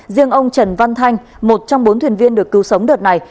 riêng ông trần văn thanh một trong bốn thuyền viên được cứu sống đợt này